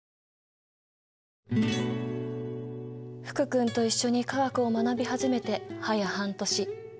福君と一緒に化学を学び始めてはや半年。